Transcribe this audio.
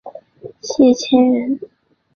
谢迁人。